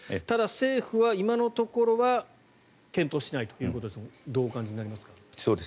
ただ、政府は今のところは検討していないということですがどうお感じになりますか？